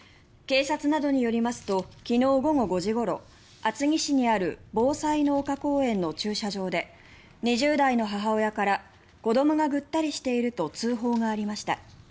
警察などによりますと昨日午後５時ごろ厚木市にあるぼうさいの丘公園の駐車場で２０代の母親から子どもがぐったりしていると通報がありました。